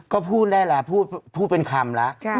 ก็พูดได้แล้วพูดเป็นคำแล้ว